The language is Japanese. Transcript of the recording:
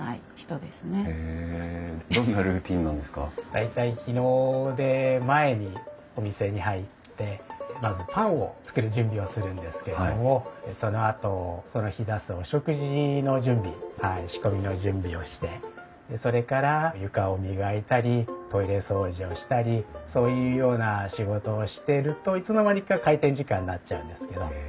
大体日の出前にお店に入ってまずパンを作る準備をするんですけれどもそのあとその日出すお食事の準備仕込みの準備をしてそれから床を磨いたりトイレ掃除をしたりそういうような仕事をしているといつの間にか開店時間になっちゃうんですけど。